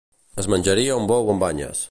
Es menjaria un bou amb banyes.